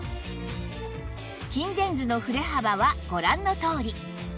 筋電図の振れ幅はご覧のとおり